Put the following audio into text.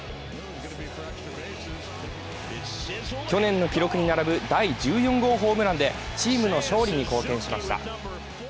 去年の記録に並ぶ第１４号ホームランでチームの勝利に貢献しました。